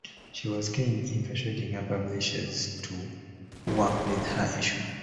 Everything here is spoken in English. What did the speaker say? She was keen in persuading her publishes to work with her issues.